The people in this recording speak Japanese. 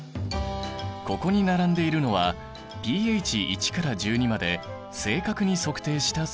ここに並んでいるのはｐＨ１から１２まで正確に測定した水溶液。